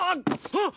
あっ！